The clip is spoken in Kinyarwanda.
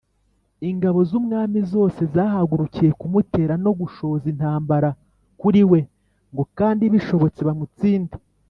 Ingabo z’umwanzi zose zahagurukiye kumutera no gushoza intambara kuri we, ngo kandi bishobotse bamutsinde.